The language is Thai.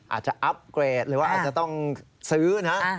อาจจะอัพเกรดหรือว่าอาจจะต้องซื้อนะ